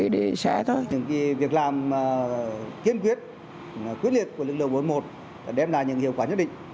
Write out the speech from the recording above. đã đem lại những hiệu quả nhất định